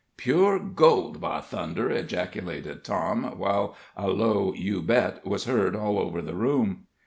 "Pure gold, by thunder!" ejaculated Tom, while a low "You bet," was heard all over the room.